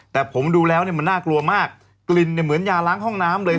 แต่ผมดูแล้วเนี่ยมันน่ากลัวมากกลิ่นเนี่ยเหมือนยาล้างห้องน้ำเลย